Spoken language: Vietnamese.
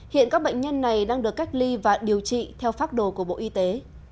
hiện các bệnh nhân này đang được cách ly và điều trị theo pháp đồ của bộ y tế